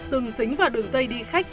từng dính vào đường dây đi khách